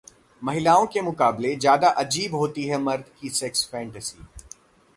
महिलाओं के मुकाबले ज्यादा अजीब होती है मर्द की सेक्स फैंटेसी